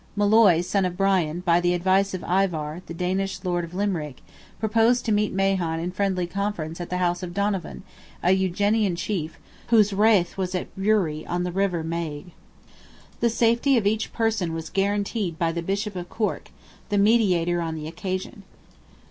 Molloy, son of Bran, by the advice of Ivar, the Danish lord of Limerick, proposed to meet Mahon in friendly conference at the house of Donovan, an Eugenian chief, whose rath was at Bruree, on the river Maigue. The safety of each person was guaranteed by the Bishop of Cork, the mediator on the occasion.